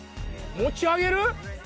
持ち上げる？